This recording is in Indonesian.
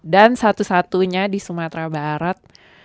dan satu satunya di sumatera barat